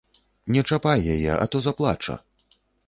Не чапай яе, а то заплача!